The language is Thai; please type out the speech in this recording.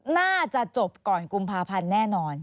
น่าจะจบก่อนกุมภาพันธ์แน่นอน